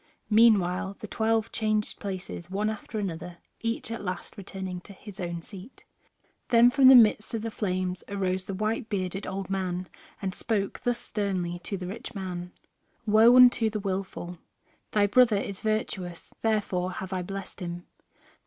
Meanwhile the twelve changed places one after another, each at last returning to his own seat. Then from the midst of the flames arose the white bearded old man and spoke thus sternly to the rich man: "Woe unto the willful! Thy brother is virtuous, therefore have I blessed him.